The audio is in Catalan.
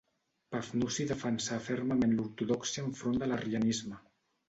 Pafnuci defensà fermament l'ortodòxia enfront de l'arrianisme.